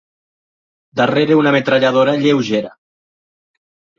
Darrere una metralladora lleugera.